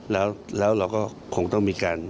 แล้วเราก็คงต้องมีการ